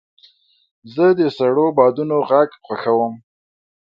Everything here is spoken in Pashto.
زه د سړو بادونو غږ خوښوم.